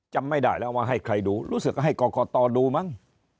จำไม่ได้แล้วว่าให้ใครดูรู้สึกว่าให้กรกตดูมั้ง